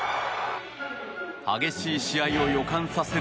激しい試合を予感させる